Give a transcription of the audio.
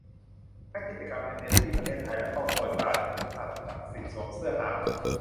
นักกิจกรรมแอมเนสตี้ ประเทศไทย และครอบครัว"ตาร์"เฉลิม สัตย์ศักดิ์สิทธิ์ สวมเสื้อฮาว